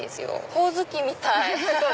ホオズキみたい！